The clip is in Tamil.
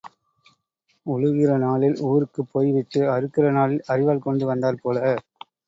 உழுகிற நாளில் ஊருக்குப் போய்விட்டு அறுக்கிற நாளில் அரிவாள் கொண்டு வந்தாற்போல்.